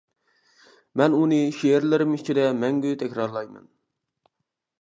مەن ئۇنى شېئىرلىرىم ئىچىدە مەڭگۈ تەكرارلايمەن.